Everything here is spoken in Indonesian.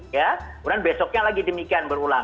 kemudian besoknya lagi demikian berulang